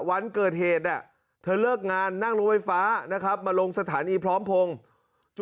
วันเกิดเหตุเธอเลิกงานนั่งรถไฟฟ้านะครับมาลงสถานีพร้อมพงศ์